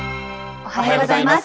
おはようございます。